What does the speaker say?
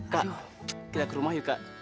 kak tidak ke rumah yuk kak